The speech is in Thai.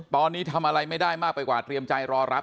ตอนนี้ทำอะไรไม่ได้มากไปกว่าเตรียมใจรอรับ